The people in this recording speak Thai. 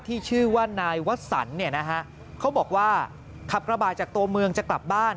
ที่ชื่อว่านายวสันเนี่ยนะฮะเขาบอกว่าขับกระบาดจากตัวเมืองจะกลับบ้าน